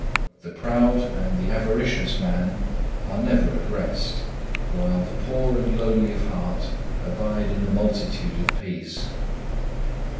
The proud and the avaricious man are never at rest; while the poor and lowly of heart abide in the multitude of peace.